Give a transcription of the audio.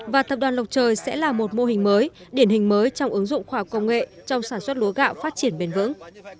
và tập đoàn lộc trời sẽ là một mô hình mới điển hình mới trong ứng dụng khoa học công nghệ trong sản xuất lúa gạo phát triển bền vững